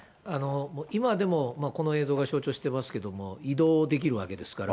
今でもこの映像が象徴してますけど、移動できるわけですから。